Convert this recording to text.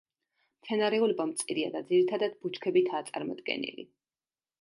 მცენარეულობა მწირია და ძირითადად ბუჩქებითაა წარმოდგენილი.